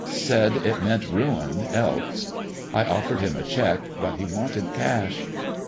Said it meant ruin else. I offered him a cheque, but he wanted cash.